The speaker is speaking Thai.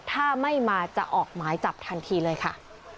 ถ้าไม่มาจะออกหมายจับทันทีเลยค่ะ